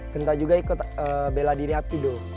genta juga ikut bela diri hapido